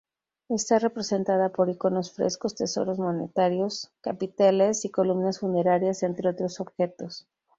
Está representada por iconos, frescos, tesoros monetarios, capiteles y columnas funerarias, entre otros objetos.